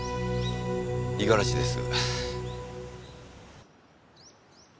五十嵐です。